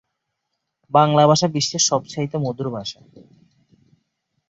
Andrews শান্তিনিকেতনে এসে বিদ্যালয়ের কাজে যোগ দেন।